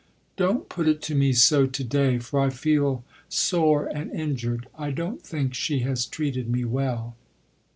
"Don't put it to me so to day, for I feel sore and injured. I don't think she has treated me well."